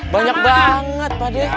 banyak banget pak de